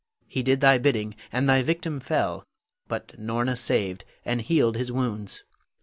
He did thy bidding, and thy victim fell; but Norna saved, and healed his wounds.